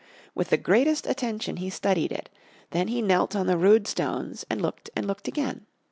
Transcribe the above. With the greatest attention he studied it, then he knelt on the rude stones and looked and looked again.